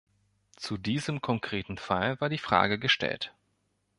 Zu diesem konkreten Fall war die Frage gestellt.